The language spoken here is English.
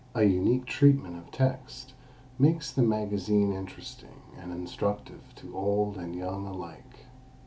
A unique treatment of text makes the magazine interesting and instructive to old and young alike.